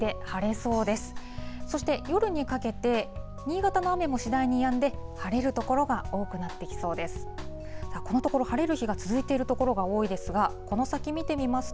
そして、夜にかけて、新潟の雨も次第にやんで、晴れる所が多くなってきそうです。